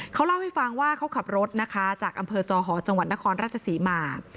เขาเล่าให้ฟังว่าเขาขับรถนะคะจากอำเภอจอหอจังหวัดนครราชศรีมา